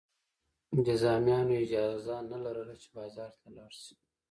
جذامیانو اجازه نه لرله چې بازار ته لاړ شي.